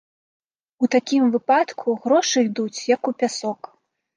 У такім выпадку грошы ідуць, як у пясок.